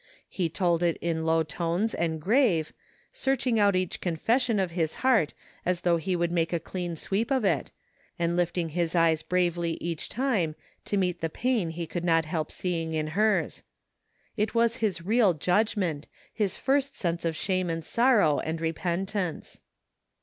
He told it in low tones and grave, searching out each confession of his heart as though he would make a clean sweep of it, and lifting his eyes bravely each time to meet the pain he could not help seeing in hers. It was his real judgment, his first sense of shame and sorrow and repentance.